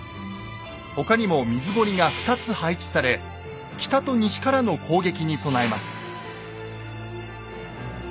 他にも水堀が２つ配置され北と西からの攻撃に備えます。